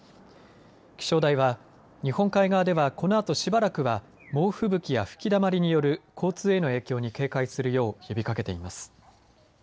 気象台は日本海側ではこのあとしばらくは猛吹雪や吹きだまりによる交通への影響に警戒するよう呼びかけています。